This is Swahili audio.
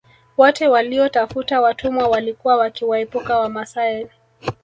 Wote waliotafuta watumwa walikuwa wakiwaepuka Wamasai